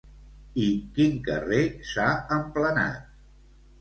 I quin carrer s'ha emplenat?